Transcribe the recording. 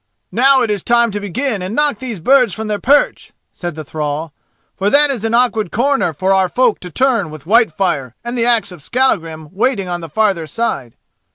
"Now it is time to begin and knock these birds from their perch," said the thrall, "for that is an awkward corner for our folk to turn with Whitefire and the axe of Skallagrim waiting on the farther side."